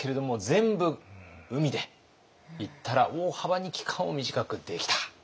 全部海で行ったら大幅に期間を短くできた。